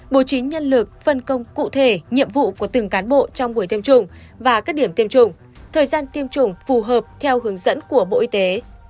bố trí nhân lực phân công cụ thể nhiệm vụ của từng cán bộ trong buổi tiêm chủng và các điểm tiêm chủng thời gian tiêm chủng phù hợp theo hướng dẫn của bộ y tế